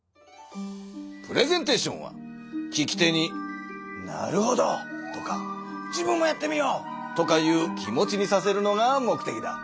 プレゼンテーションは聞き手に「なるほど！」とか「自分もやってみよう！」とかいう気持ちにさせるのが目てきだ。